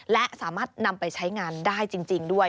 และสามารถนำไปใช้งานได้จริงด้วย